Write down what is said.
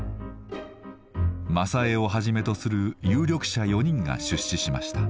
正兄をはじめとする有力者４人が出資しました。